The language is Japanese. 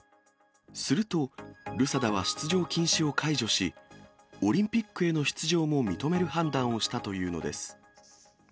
するとルサダは出場禁止を解除し、オリンピックへの出場も認める判断をしたというのです。